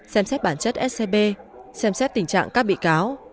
xem xét bản chất scb xem xét tình trạng các bị cáo